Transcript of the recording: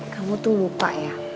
kamu tuh lupa ya